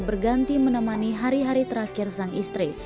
berganti menemani hari hari terakhir sang istri